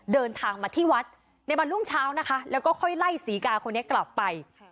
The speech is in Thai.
เดินทางมาที่วัดในวันรุ่งเช้านะคะแล้วก็ค่อยไล่ศรีกาคนนี้กลับไป